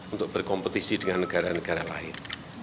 untuk berkompetisi dengan negara negara lain